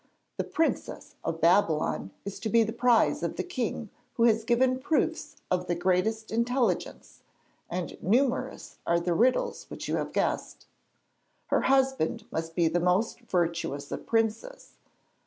The Princess of Babylon is to be the prize of the king who has given proofs of the greatest intelligence; and numerous are the riddles which you have guessed. Her husband must be the most virtuous of princes.